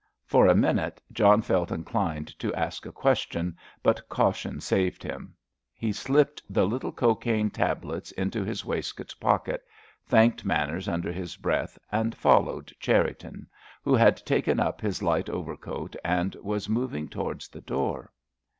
For a minute John felt inclined to ask a question, but caution saved him. He slipped the little cocaine tablets into his waistcoat pocket, thanked Manners under his breath, and followed Cherriton, who had taken up his light overcoat, and was moving towards the door.